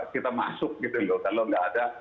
kita masuk gitu kalau gak ada